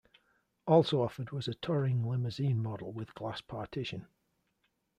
Also offered was a touring limousine model with glass partition.